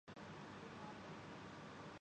کتنے نوجوان ہیں جو آج بھی اسی خواب میں جیتے ہیں۔